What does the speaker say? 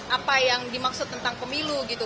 apa yang dimaksud tentang pemilu gitu